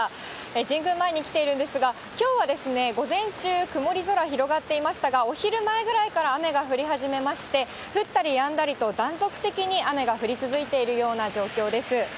神宮前に来ているんですが、きょうは午前中、曇り空広がっていましたが、お昼前ぐらいから雨が降り始めまして、降ったりやんだりと、断続的に雨が降り続いているような状況です。